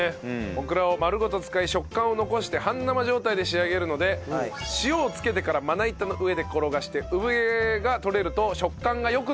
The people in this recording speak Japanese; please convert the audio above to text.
オクラを丸ごと使い食感を残して半生状態で仕上げるので塩を付けてからまな板の上で転がして産毛が取れると食感が良くなると。